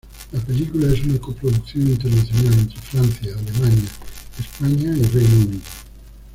La película es una coproducción internacional entre Francia, Alemania, España y Reino Unido.